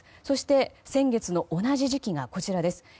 そして、先月の同じ時期が左側です。